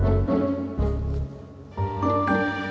pak baik baik aja deh